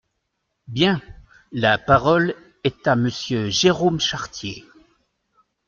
Bien ! La parole est à Monsieur Jérôme Chartier.